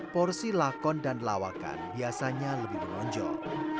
porsi lakon dan lawakan biasanya lebih menonjol